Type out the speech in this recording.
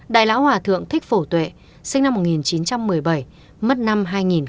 đại lão hòa thượng thích phổ tuệ sinh năm một nghìn chín trăm một mươi bảy mất năm hai nghìn một mươi